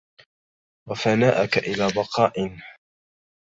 وَفَنَاءَك إلَى بَقَاءٍ